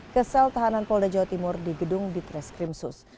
ke sel tahanan polda jawa timur di gedung ditreskrimsus